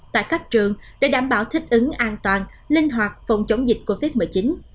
tại các trường để đảm bảo thích ứng an toàn linh hoạt phòng chống dịch covid một mươi chín